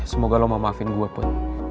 semoga lo mau maafin gue pun